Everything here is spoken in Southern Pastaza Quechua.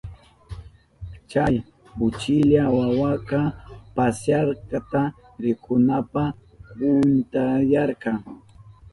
Chay uchilla wawaka pasyakta rikunanpa kunkayarka.